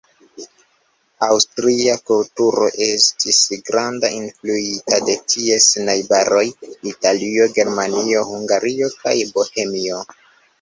Aŭstria kulturo estis grande influita de ties najbaroj, Italio, Germanio, Hungario kaj Bohemio.